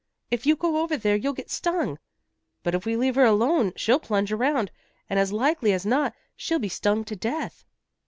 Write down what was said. "If you go over there you'll get stung." "But if we leave her alone, she'll plunge around, and as likely as not she'll be stung to death."